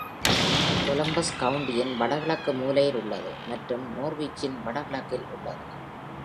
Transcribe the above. Columbus கவுண்டியின் வடகிழக்கு மூலையில் உள்ளது மற்றும் நோர்விச்சின் வடகிழக்கில் உள்ளது.